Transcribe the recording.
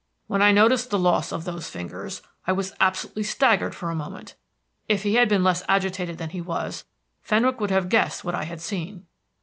When I noted the loss of those fingers, I was absolutely staggered for a moment. If he had been less agitated than he was, Fenwick would have guessed what I had seen.